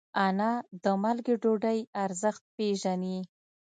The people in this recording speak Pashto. انا د مالګې ډوډۍ ارزښت پېژني